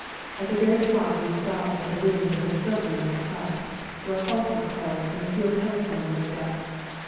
96 A COLD NIGHT RIDE At the very top we stopped at the ruins of a filthy little hut, where a halt was called and the field telephone rigged up.